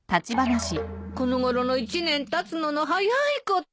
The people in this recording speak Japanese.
この頃の１年たつのの早いこと。